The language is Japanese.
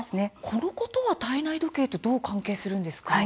このことは体内時計とどう関係するんですか？